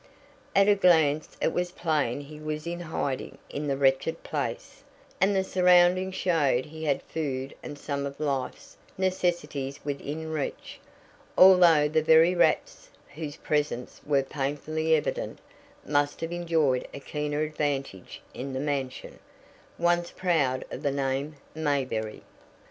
At a glance it was plain he was in hiding in the wretched place, and the surroundings showed he had food and some of life's necessities within reach, although the very rats, whose presence were painfully evident, must have enjoyed a keener advantage in the mansion, once proud of the name "Mayberry."